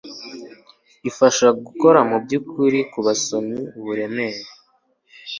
ifasha gukora mubyukuri kubasomyi uburemere